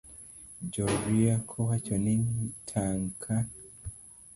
Jorieko wacho ni tang' ka